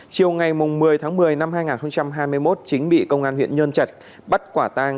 chiều ngày một mươi tháng một mươi năm hai nghìn hai mươi một chính bị công an huyện nhân trạch bắt quả tang